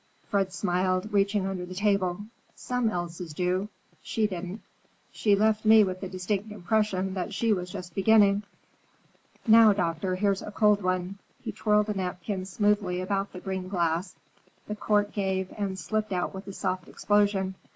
Fred smiled, reaching under the table. "Some Elsas do; she didn't. She left me with the distinct impression that she was just beginning. Now, doctor, here's a cold one." He twirled a napkin smoothly about the green glass, the cork gave and slipped out with a soft explosion.